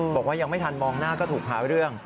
บอกว่ายังไม่ทันมองหน้าก็ถูกหาเรื่อง